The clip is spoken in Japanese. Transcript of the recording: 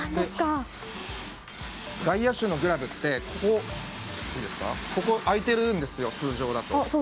外野手のグラブってここ空いてるんですよ、通常だと。